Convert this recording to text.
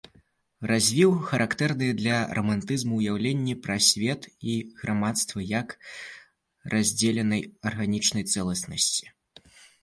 Развіў характэрныя для рамантызму ўяўленні пра свет і грамадства як раздзеленай арганічнай цэласнасці.